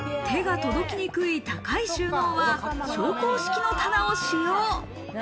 手が届きにくい高い収納は昇降式の棚を使用。